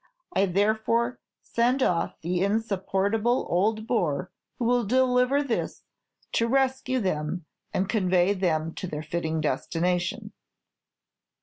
I therefore send off the insupportable old bore who will deliver this, to rescue them, and convey them to their fitting destination.